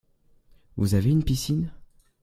Vous avez une piscine ?